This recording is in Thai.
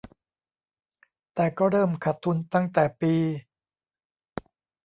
แต่ก็เริ่มขาดทุนตั้งแต่ปี